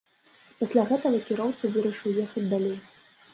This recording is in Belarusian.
Пасля гэтага кіроўца вырашыў ехаць далей.